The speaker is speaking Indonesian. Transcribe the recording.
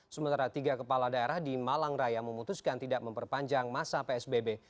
sementara tiga kepala daerah di malang raya memutuskan tidak memperpanjang masa psbb